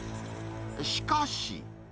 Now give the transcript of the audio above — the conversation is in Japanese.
しかし。